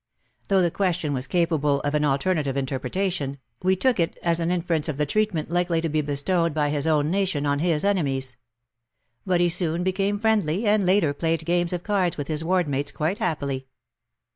Though the question was capable of an alternative interpretation, we took it as an inference of the treatment likely to be bestowed by his own nation on his enemies. But he soon became friendly, and later played games of cards with his ward mates quite happily.